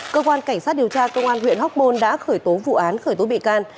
cơ quan cảnh sát điều tra công an huyện hóc môn đã khởi tố vụ án khởi tố bị can